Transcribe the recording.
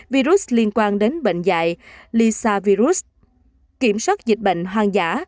virus liên quan đến bệnh dạy lisa virus kiểm soát dịch bệnh hoang dã